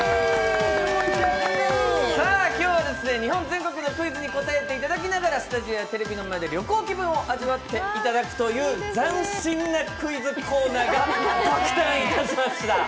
今日は日本全国のクイズに答えていただきながらスタジオやテレビの前で旅行気分を味わっていただくという斬新なクイズコーナーです。